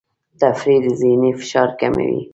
تفریح د ذهني فشار کموي.